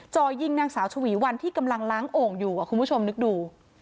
จ่อยิงนางสาวชวีวันที่กำลังล้างโอ่งอยู่คุณผู้ชมนึกดู